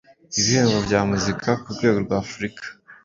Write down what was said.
ibihembo bya muzika ku rwego rwa Afurika